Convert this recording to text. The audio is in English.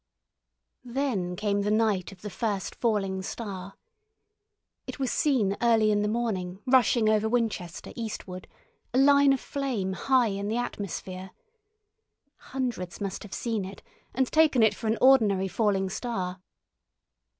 Then came the night of the first falling star. It was seen early in the morning, rushing over Winchester eastward, a line of flame high in the atmosphere. Hundreds must have seen it, and taken it for an ordinary falling star.